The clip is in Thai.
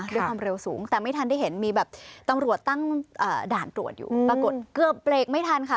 ด้วยความเร็วสูงแต่ไม่ทันได้เห็นมีแบบตำรวจตั้งด่านตรวจอยู่ปรากฏเกือบเบรกไม่ทันค่ะ